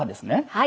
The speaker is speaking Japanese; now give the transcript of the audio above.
はい。